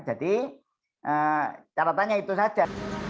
jadi caranya itu saja